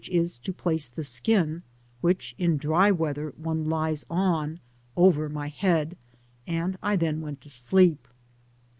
is, to place the dkiti which, in dty weather, one lies on, ovet toy head, and I then went to sleep.